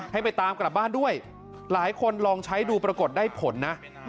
ให้ไปตามกลับบ้านด้วยหลายคนลองใช้ดูปรากฏได้ผลนะ